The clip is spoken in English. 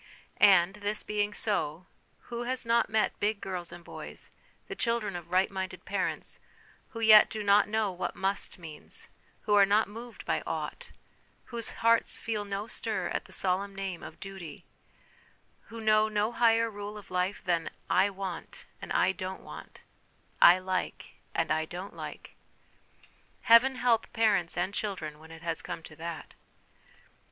And this being so who has not met big girls and boys, the children of right minded parents, who yet do not know what must means, who are not moved by ought, whose hearts feel no stir at the solemn name of Duty, who know no higher rule of life than ' I want,' and ' I don't want,' 'I like,' and 'I don't like'? Heaven help parents and children when it has come to that!